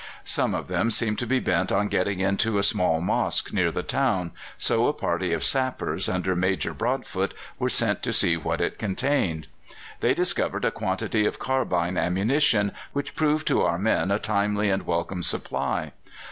Some of them seemed to be bent on getting into a small mosque near the town, so a party of sappers, under Major Broadfoot, were sent to see what it contained. They discovered a quantity of carbine ammunition, which proved to our men a timely and welcome supply.